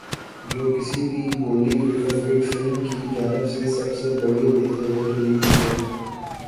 جو کسی بھی بولی وڈ فلم کی جانب سے سب سے بڑی ریلیز ہے